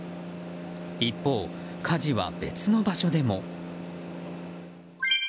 一方、火事は別の場所でも。